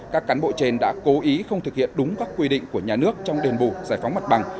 các cán bộ trên đã cố ý không thực hiện đúng các quy định của nhà nước trong đền bù giải phóng mặt bằng